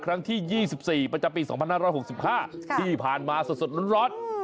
ครั้งที่๒๔ประจำปี๒๕๖๕ที่ผ่านมาสดร้อน